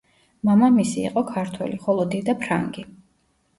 მამამისი იყო ქართველი, ხოლო დედა ფრანგი.